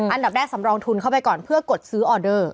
อันดับแรกสำรองทุนเข้าไปก่อนเพื่อกดซื้อออเดอร์